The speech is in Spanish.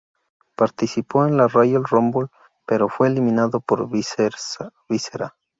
Participó en la Royal Rumble, pero fue eliminado por Viscera.